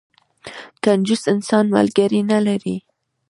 کنجوس انسان، ملګری نه لري.